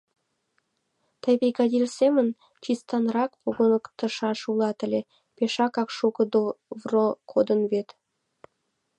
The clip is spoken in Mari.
Тый бригадир семын чистанрак погыктышаш улат ыле, пешакак шуко довро кодын вет...